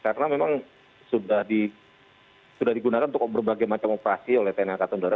karena memang sudah digunakan untuk berbagai macam operasi oleh tni angkatan udara